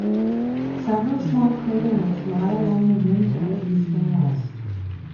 Several small craterlets lie along the rim to the east and west.